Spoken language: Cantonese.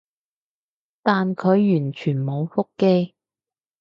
但佢完全冇覆機